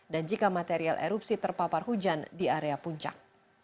dan jika material erupsi terpapar hujan di area puncak